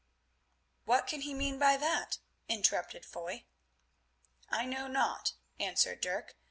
"What can he mean by that?" interrupted Foy. "I know not," answered Dirk.